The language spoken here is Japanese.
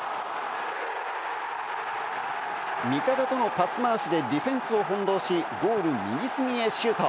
味方とのパス回しでディフェンスを翻弄し、ゴール右隅へシュート！